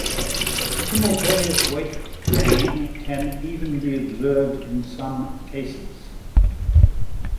Simultaneous weight gain can even be observed in some cases.